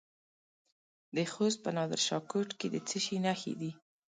د خوست په نادر شاه کوټ کې د څه شي نښې دي؟